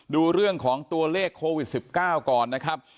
ดูเรื่องของตัวเลขโควิด๑๙ก่อนนะครับ